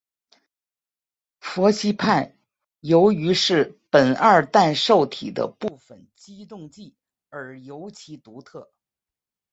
氟西泮由于是苯二氮受体的部分激动剂而尤其独特。